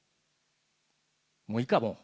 もういいか、もう。